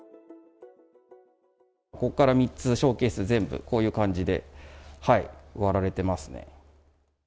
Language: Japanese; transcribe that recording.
ここから３つ、ショーケース、全部、こういう感じで割られてますね。